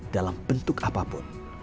dalam bentuk apapun